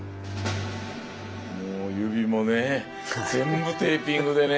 もう指もね全部テーピングでね。